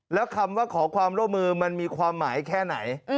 แล้วคำว่าขอความร่วมมือมันมีความหมายแค่ไหน